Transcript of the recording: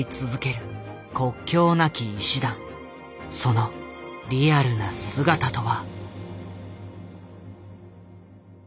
そのリアルな姿とは。